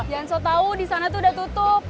ya yang so tau disana tuh udah tutup